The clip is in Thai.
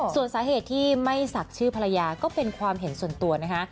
ส่วนสาเหตุที่ไม่ศักดิ์ชื่อภรรยาก็เป็นความเห็นส่วนตัวนะคะ